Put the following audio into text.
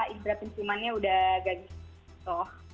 ibrat ciumannya udah gagal